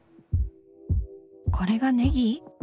これがネギ！